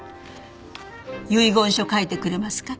遺言書書いてくれますか？